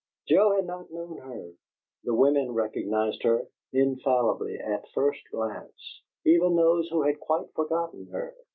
Joe had not known her. The women recognized her, infallibly, at first glance; even those who had quite forgotten her.